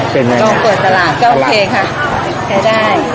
เป็นไงลองเปิดตลาดก็โอเคค่ะใช้ได้